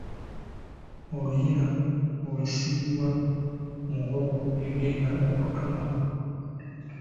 Oluyina olusibibwa mu nkoko egenda okutonwa.